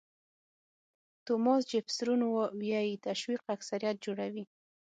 توماس جیفرسون وایي تشویق اکثریت جوړوي.